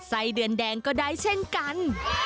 ไส้เดือนแดงก็ได้เช่นกัน